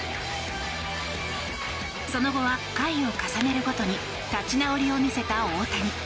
その後は回を重ねるごとに立ち直りを見せた大谷。